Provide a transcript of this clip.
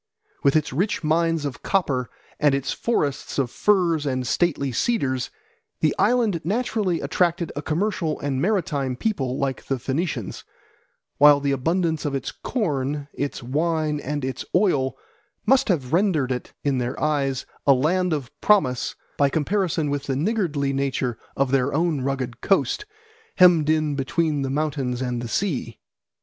With its rich mines of copper and its forests of firs and stately cedars, the island naturally attracted a commercial and maritime people like the Phoenicians; while the abundance of its corn, its wine, and its oil must have rendered it in their eyes a Land of Promise by comparison with the niggardly nature of their own rugged coast, hemmed in between the mountains and the sea.